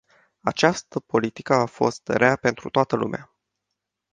Această politică a fost rea pentru toată lumea.